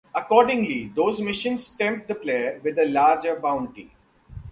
Accordingly, those missions tempt the player with a larger bounty.